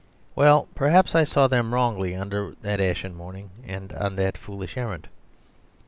well, perhaps I saw them wrongly under that ashen morning and on that foolish errand.